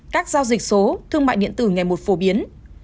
các giao dịch số thương mại điện tử ngày một phổ biến